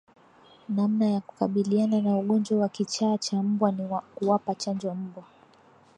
Namna ya kukabiliana na ugonjwa wa kichaa cha mbwa ni kuwapa chanjo mbwa